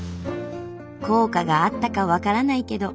効果があったか分からないけど